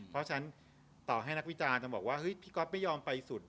เพราะฉะนั้นต่อให้นักวิจารณ์จะบอกว่าเฮ้ยพี่ก๊อฟไม่ยอมไปสุด